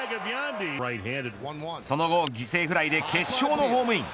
その後、犠牲フライで決勝のホームイン。